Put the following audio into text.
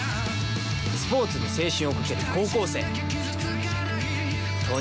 スポーツに青春をかける高校生。